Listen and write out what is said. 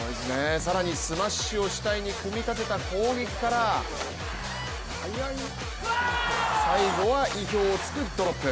更にスマッシュを主体に組み立てた攻撃から、最後は意表を突くドロップ。